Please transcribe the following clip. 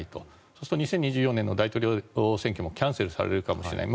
そうすると２０２４年の大統領選挙もキャンセルされるかもしれない。